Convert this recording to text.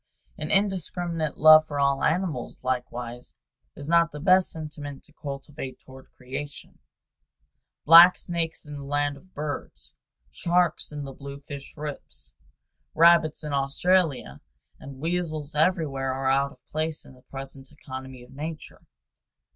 An indiscriminate love for all animals, likewise, is not the best sentiment to cultivate toward creation. Black snakes in a land of birds, sharks in the bluefish rips, rabbits in Australia, and weasels everywhere are out of place in the present economy of nature.